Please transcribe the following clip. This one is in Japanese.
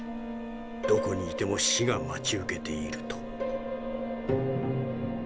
どこにいても死が待ち受けていると」。